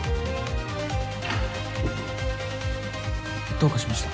どうかしました？